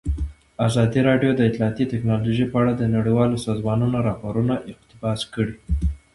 ازادي راډیو د اطلاعاتی تکنالوژي په اړه د نړیوالو سازمانونو راپورونه اقتباس کړي.